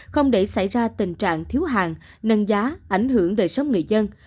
không để xảy ra tình trạng thiếu hàng nâng giá ảnh hưởng đời sống người dân